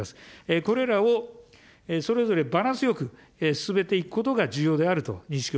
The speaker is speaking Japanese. これらをそれぞれバランスよく進めていくことが重要であると認識